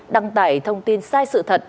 đăng tải thông tin sai sự thật